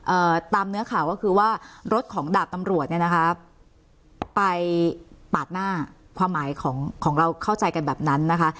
ตามเนื้อข่าวก็คือว่ารถของดาบตำรวจเนี่ยนะคะไปปาดหน้าความหมายของของเราเข้าใจกันแบบนั้นนะคะ